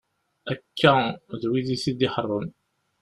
Akka d wid i t-id-iḥeṛṛen.